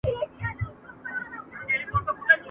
دغه رښتيا ته درواغ ویل به داسي وي